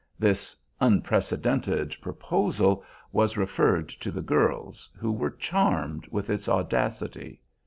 This unprecedented proposal was referred to the girls, who were charmed with its audacity.